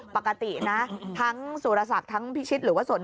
ปกตินะทั้งสุรศักดิ์ทั้งพิชิตหรือว่าสน